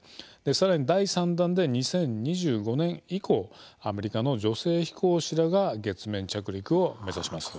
さらに、第３弾で２０２５年以降アメリカの女性飛行士らが月面着陸を目指します。